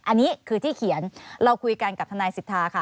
อันนี้คือที่เขียนเราคุยกันกับทนายสิทธาค่ะ